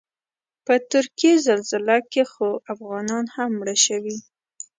په ترکیې زلزله کې خو افغانان هم مړه شوي.